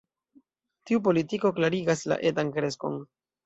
Tiu politiko klarigas la etan kreskon.